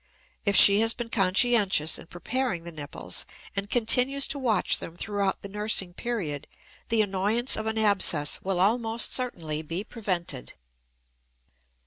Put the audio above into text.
If she has been conscientious in preparing the nipples and continues to watch them throughout the nursing period, the annoyance of an abscess will almost certainly be prevented.